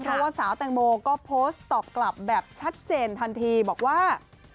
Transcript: เพราะว่าสาวแตงโมก็โพสต์ตอบกลับแบบชัดเจนทันทีบอกว่า